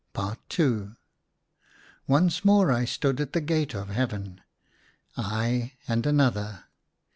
IL Once more I stood at the gate of Heaven, I and another.